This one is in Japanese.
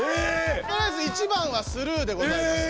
とりあえず１番はスルーでございます。